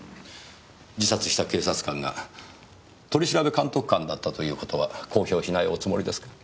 自殺した警察官が取調監督官だったという事は公表しないおつもりですか？